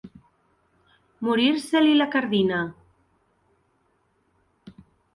Morir-se-li la cardina.